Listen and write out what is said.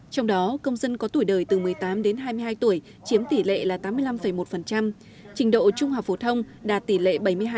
trong đó công dân có tuổi đời từ một mươi tám đến hai mươi hai tuổi chiếm tỷ lệ là tám mươi năm một trình độ trung học phổ thông đạt tỷ lệ bảy mươi hai